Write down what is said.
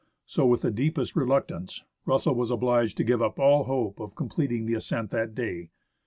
So, with the deepest reluctance, Rus sell was obliged to give up all hope of completing the ascent that day.